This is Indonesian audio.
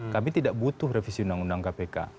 kami tidak butuh revisi undang undang kpk